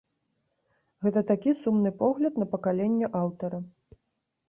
Гэта такі сумны погляд на пакаленне аўтара.